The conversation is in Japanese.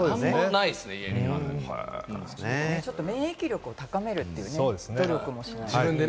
ちょっと免疫力を高めるという努力もしないとね。